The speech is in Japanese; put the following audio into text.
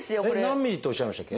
何ｍｍっておっしゃいましたっけ？